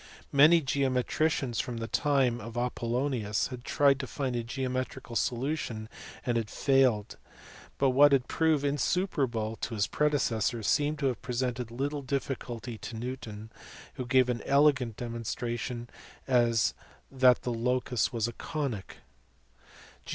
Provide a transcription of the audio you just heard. Many geometricians from the time of Apollonius had tried to find a geometrical solution and had failed, but what had proved insuperable to his predecessors seems to have presented little difficulty to Newton who gave an elegant demonstration that the locus was a conic.